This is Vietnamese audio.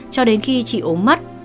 cho đến khi chị ốm mất